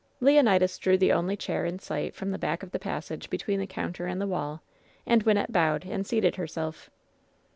Leonidas drew the only chair in sight from the back of the passage between the counter and the wall, and Wynnette bowed, and seated herself.